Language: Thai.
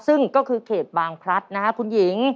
ซึ่งก็คือเขตบางพลัดนะฮะคุณหญิง